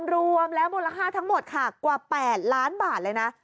รวมแล้วมูลค่าทั้งหมดค่ะกว่า๘ล้านบาทเลยนะ